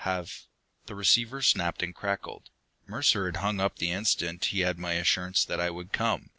"Have " The receiver snapped and crackled; Mercer had hung up the instant he had my assurance that I would come.